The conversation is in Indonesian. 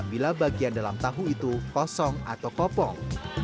bila bagian dalam tahu itu kosong atau kopong